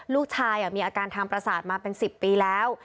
ลูกชายมีอาการทางประสาทมาเป็น๑๐ปีแล้ว